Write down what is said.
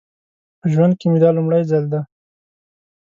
په ژوند کې مې دا لومړی ځل دی.